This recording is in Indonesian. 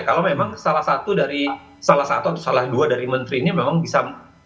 kalau memang salah satu dari salah satu atau salah dua dari menteri ini memang bisa